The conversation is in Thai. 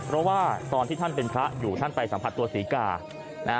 เพราะว่าตอนที่ท่านเป็นพระอยู่ท่านไปสัมผัสตัวศรีกานะฮะ